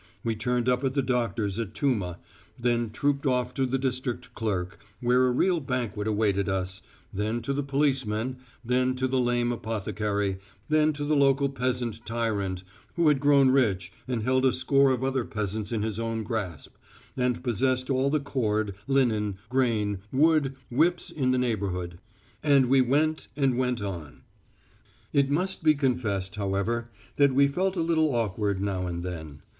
We turned up at the doctor's at Tuma, then trooped off to the district clerk, where a real banquet awaited us, then to the policeman, then to the lame apothecary, then to the local peasant tyrant who had grown rich and held a score of other peasants in his own grasp, and possessed all the cord, linen, grain, wood, whips in the neighbourhood. And we went and went on! It must be confessed, however, that we felt a little awkward now and then.